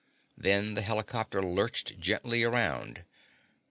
Then the helicopter lurched gently around.